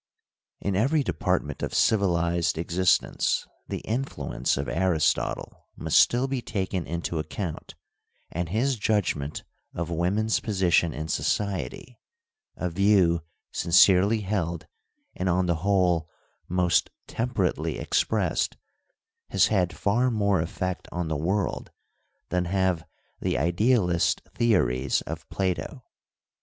In every department of civilised existence the influence of Aristotle must still be taken into account, and his judgment of women's position in society — a view sincerely held and on the whole most temperately expressed — has had far more effect on the world than have the idealist theories of Plato.